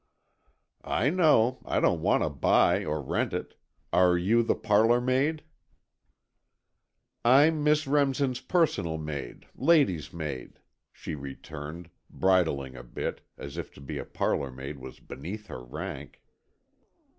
"I know. I don't want to buy or rent it. Are you the parlour maid?" "I'm Miss Remsen's personal maid—lady's maid," she returned, bridling a bit, as if to be a parlour maid was beneath her rank.